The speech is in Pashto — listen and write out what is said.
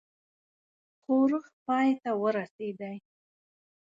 ښورښ پای ته ورسېدی.